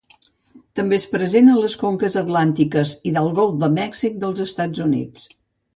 També és present a les conques atlàntiques i del golf de Mèxic dels Estats Units.